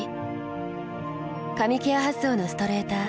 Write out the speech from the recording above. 髪ケア発想のストレーター。